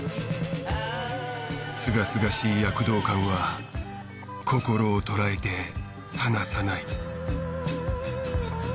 すがすがしい躍動感は心を捉えて離さない。